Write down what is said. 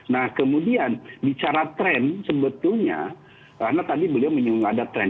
nah kemudian bicara tren sebetulnya karena tadi beliau menyinggung ada tren